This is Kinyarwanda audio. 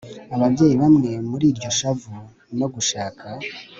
Ababyeyi bamwe muri iryo shavu no gushaka